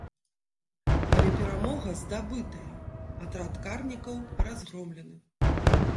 Але перамога здабытая, атрад карнікаў разгромлены.